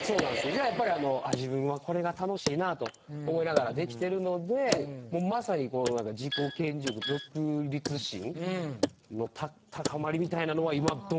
じゃあやっぱり自分はこれが楽しいなと思いながらできてるのでまさにこの自己顕示欲独立心の高まりみたいなのは今。